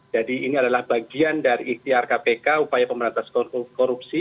jadi ini adalah bagian dari ikhtiar kpk upaya pemberantasan korupsi